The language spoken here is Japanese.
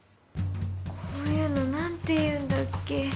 こういうの何て言うんだっけ？